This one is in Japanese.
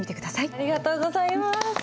ありがとうございます！